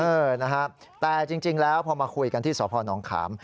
เออนะครับแต่จริงแล้วพอมาคุยกันที่สพนขาม